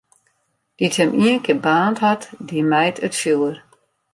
Dy't him ienkear baarnd hat, dy mijt it fjoer.